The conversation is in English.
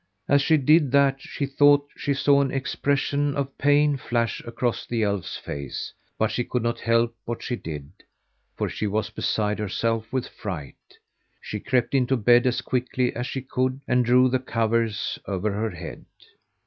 As she did that she thought she saw an expression of pain flash across the elf's face, but she could not help what she did, for she was beside herself with fright. She crept into bed as quickly as she could and drew the covers over her head.